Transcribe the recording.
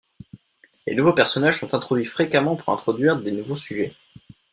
Les nouveaux personnages sont introduits fréquemment pour introduire des nouveaux sujets.